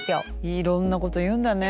いろんなこと言うんだね。